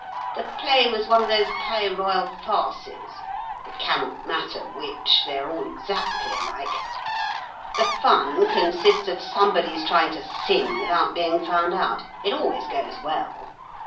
The play was one of those Palais Royal farces—it cannot matter which, they are all exactly alike. The fun consists of somebody's trying to sin without being found out. It always goes well.